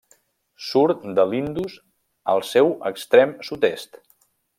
Surt de l'Indus al seu extrem sud-est.